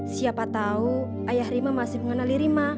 siapa tahu ayah rima masih mengenali rima